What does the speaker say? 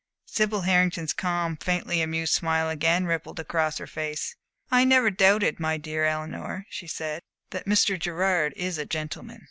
Sibyl Hartington's calm, faintly amused smile again rippled across her face. "I never doubted, my dear Eleanor," she said, "that Mr. Gerard is a gentleman."